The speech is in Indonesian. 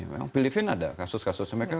memang filipina ada kasus kasusnya mereka